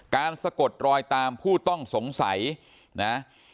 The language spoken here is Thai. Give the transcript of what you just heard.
สะกดรอยตามผู้ต้องสงสัยนะ